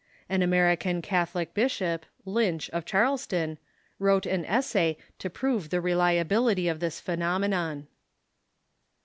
An American Catholic bishop (Lynch, of Charleston) wrote an essay to prove the re ality of this phenomenon.